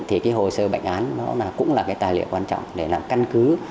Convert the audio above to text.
thì cái hồ sơ bệnh án nó cũng là cái tài liệu quan trọng để làm căn cứ